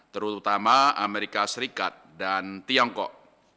terutama amerika serikat dan tiongkok